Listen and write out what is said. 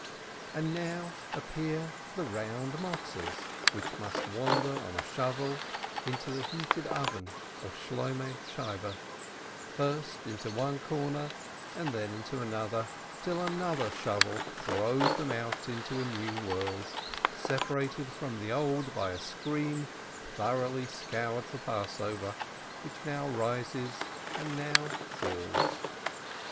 And now appear the round Matzes, which must wander on a shovel into the heated oven of Shloimeh Shieber, first into one corner, and then into another, till another shovel throws them out into a new world, separated from the old by a screen thoroughly scoured for Passover, which now rises and now falls.